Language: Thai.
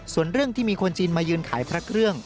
ส่วนเรื่องที่มีคนจีนมายืนขายพระเครื่อง